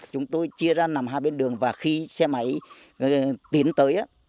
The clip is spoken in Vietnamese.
chúng tôi chia ra nằm hai bên đường và khi xe máy tiến tới